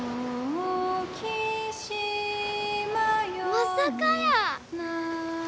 まさかやー。